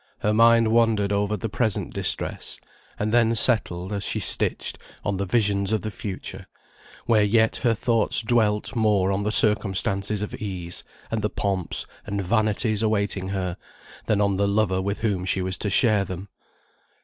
Her mind wandered over the present distress, and then settled, as she stitched, on the visions of the future, where yet her thoughts dwelt more on the circumstances of ease, and the pomps and vanities awaiting her, than on the lover with whom she was to share them.